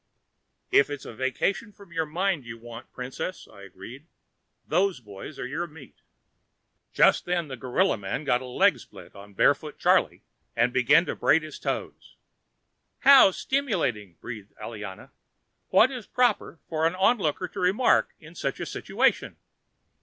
"If it's a vacation for your mind that you want, Princess," I agreed, "those boys are your meat." Just then the Gorilla Man got a leg split on Barefoot Charley and began to braid his toes. "How stimulating," breathed Aliana. "What is proper for the onlooker to remark in such a situation?"